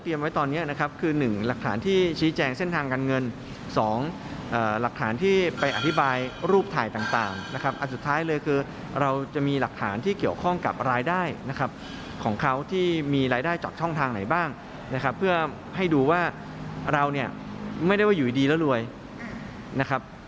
ผมฟ้องไปอย่างอายการอย่างแน่นอน